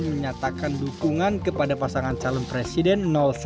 menyatakan dukungan kepada pasangan calon presiden satu